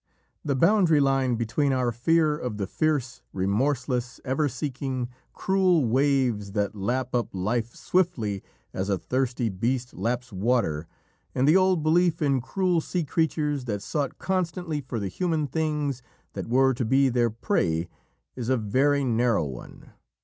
The boundary line between our fear of the fierce, remorseless, ever seeking, cruel waves that lap up life swiftly as a thirsty beast laps water, and the old belief in cruel sea creatures that sought constantly for the human things that were to be their prey, is a very narrow one.